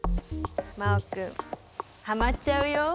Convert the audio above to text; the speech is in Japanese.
真旺君ハマっちゃうよ。